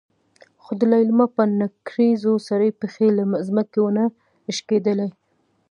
خو د لېلما په نکريزو سرې پښې له ځمکې ونه شکېدلې.